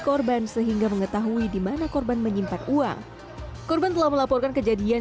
korban sehingga mengetahui dimana korban menyimpan uang korban telah melaporkan kejadian